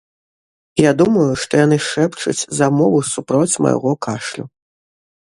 Я думаю, што яны шэпчуць замову супроць майго кашлю.